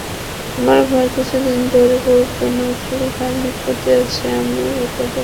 আমার ভাই কিছুদিন ধরে বলত, নজরুল ভাই বিপদে আছে, আমিও বিপদে আছি।